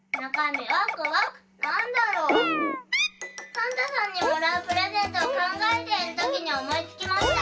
サンタさんにもらうプレゼントをかんがえているときにおもいつきました。